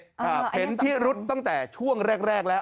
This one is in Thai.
เห็นพิรุธต้องแต่ช่วงแรกแล้ว